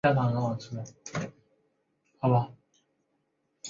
后奉旨输送万石米抵达陕西赈灾。